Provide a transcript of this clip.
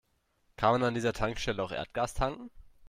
Kann man an dieser Tankstelle auch Erdgas tanken?